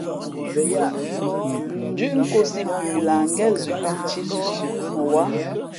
Ndʉ́ʼ nkōsī pʉ lah ngén zʉʼ nthī sʉsʉα mα wǎ.